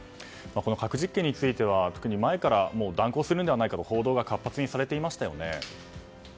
核実験については前から断行するんではないかと報道が活発にされていましたよね。